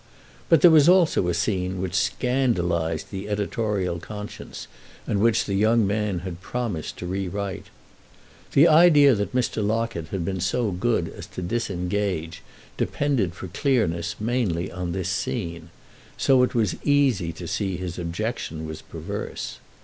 But there was also a scene which scandalised the editorial conscience and which the young man had promised to rewrite. The idea that Mr. Locket had been so good as to disengage depended for clearness mainly on this scene; so it was easy to see his objection was perverse.